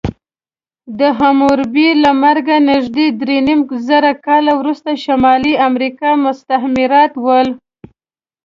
د حموربي له مرګه نږدې درېنیمزره کاله وروسته شمالي امریکا مستعمرات ول.